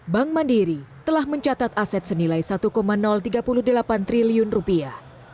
bank mandiri telah mencatat aset senilai satu tiga puluh delapan triliun rupiah